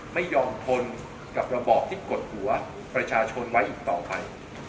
ไม่ยอมทนกับระบอบที่กดหัวประชาชนไว้อีกต่อไป